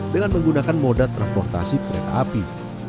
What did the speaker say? dengan menggunakan moda transportasi kereta api